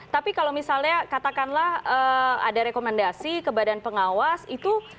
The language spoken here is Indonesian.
tapi kalau misalnya katakanlah ada rekomendasi ke badan pengawas itu